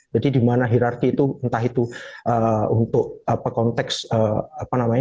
jadi di mana hirarki itu entah itu untuk konteks apa namanya